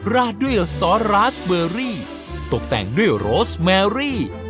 ราดด้วยซอสรัสเบอรี่ตกแต่งด้วยโรสแมรี่